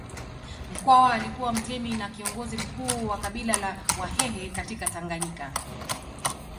Mkwawa alikuwa mtemi na kiongozi mkuu wa kabila la Wahehe katika Tanganyika